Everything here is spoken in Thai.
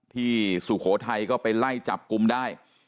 ที่สุโขไทยก็ไปไล่จับกุมได้